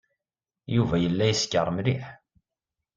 Yuba yella yeskeṛ mliḥ.